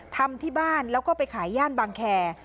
ทำที่บ้านแล้วก็ไปขายย่านบางแคร์